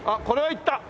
いった！